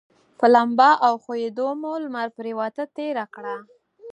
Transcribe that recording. په لمبا او ښویندیو مو لمر پرېواته تېره کړه.